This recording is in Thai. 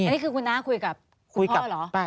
อันนี้คือคุณน้าคุยกับคุณพ่อเหรอ